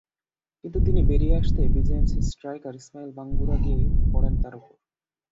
কিন্তু তিনি বেরিয়ে আসতেই বিজেএমসির স্ট্রাইকার ইসমাইল বাঙ্গুরা গিয়ে পড়েন তাঁর ওপর।